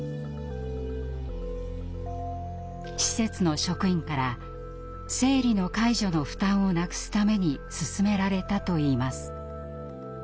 施設の職員から生理の介助の負担をなくすためにすすめられたといいます。